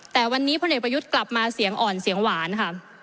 แต่วันนี้พลเอกประยุทธ์กลับมาเสียงอ่อนเสียงหวานค่ะ